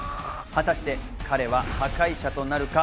果たして、彼は破壊者となるか？